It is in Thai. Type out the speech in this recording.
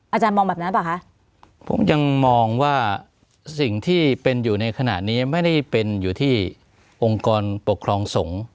อาจารย์มองแบบนั้นเปล่าคะผมยังมองว่าสิ่งที่เป็นอยู่ในขณะนี้ไม่ได้เป็นอยู่ที่องค์กรปกครองสงฆ์